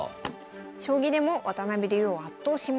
将棋でも渡辺竜王を圧倒します。